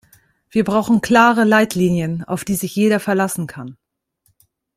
Wir brauchen klare Leitlinien, auf die sich jeder verlassen kann.